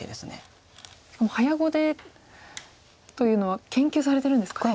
しかも早碁でというのは研究されてるんですかね。